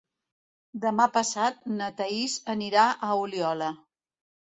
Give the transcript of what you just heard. Demà passat na Thaís anirà a Oliola.